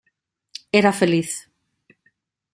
Era feliz.